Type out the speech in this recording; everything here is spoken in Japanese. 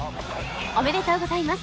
おめでとうございます！